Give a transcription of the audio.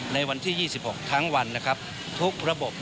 ในวันที่๒๖ทั้งวันนะครับทุกระบบ